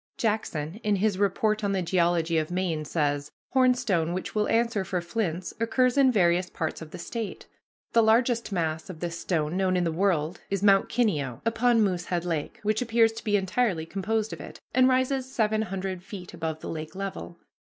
Jackson, in his "Report on the Geology of Maine," says: "Hornstone, which will answer for flints, occurs in various parts of the State. The largest mass of this stone known in the world is Mount Kineo, upon Moosehead Lake, which appears to be entirely composed of it, and rises seven hundred feet above the lake level.